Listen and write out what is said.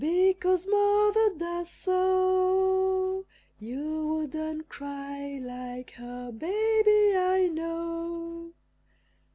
because Mother does so, You wouldn't cry like her baby, I know!